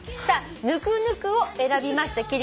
さあ「ぬくぬく」を選びました